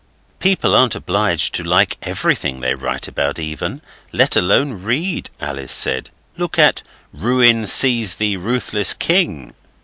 'People aren't obliged to like everything they write about even, let alone read,' Alice said. 'Look at "Ruin seize thee, ruthless king!"